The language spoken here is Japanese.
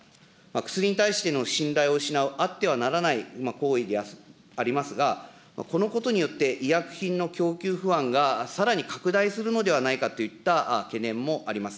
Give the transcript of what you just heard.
薬に対しての信頼を失う、あってはならない行為でありますが、このことによって、医薬品の供給不安がさらに拡大するのではないかといった懸念もあります。